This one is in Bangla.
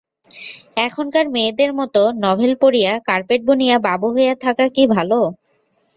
এখনকার মেয়েদের মতো নভেল পড়িয়া, কার্পেট বুনিয়া, বাবু হইয়া থাকা কি ভালো।